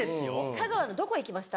香川のどこ行きました？